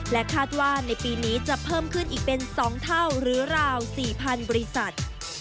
คาดว่าในปีนี้จะเพิ่มขึ้นอีกเป็น๒เท่าหรือราว๔๐๐๐บริษัท